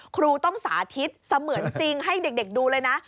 ครูต้องสาธิตเสมือนจริงให้เด็กดูเลยนะ